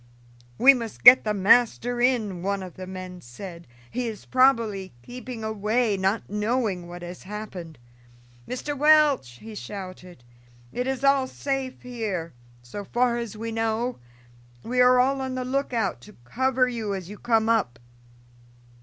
"We must get the master in," one of the men said. "He is probably keeping away, not knowing what has happened. Mr. Welch," he shouted, "it is all safe here, so far as we know; we are all on the lookout to cover you as you come up."